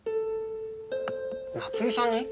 夏美さんに？